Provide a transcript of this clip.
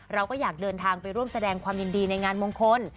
เราก็อยากเดินทางไปร่วมแสดงความยินดีในงานมงคล